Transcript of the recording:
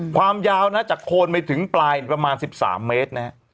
ความยาวนะจากโคนไปถึงปลายประมาณ๑๓เมตรนะฮะ